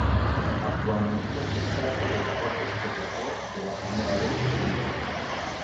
Actualmente es parte de Deportes Copiapó de la Primera B de Chile.